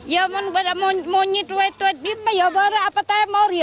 ya kalau ada orang yang mau jual ya apa yang mau